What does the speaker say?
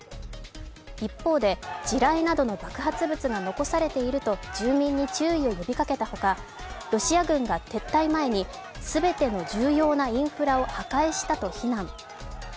一方で、地雷などの爆発物が残されていると住民に注意を呼びかけたほかロシア軍が撤退前にすべての重要なインフラを破壊したと非難。